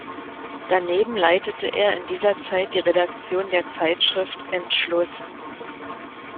Daneben leitete er in dieser Zeit die Redaktion der Zeitschrift Entschluß.